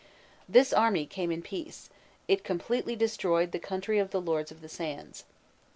"This army came in peace, it completely destroyed the country of the Lords of the Sands.